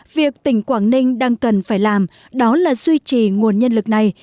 việc tỉnh quảng ninh đang cần phải làm đó là duy trì nguồn nhân lực này